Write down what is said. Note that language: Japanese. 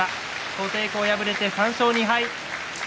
琴恵光、敗れて３勝２敗。